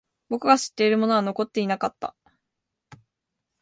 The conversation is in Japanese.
僕が知っているものは残っていなかった。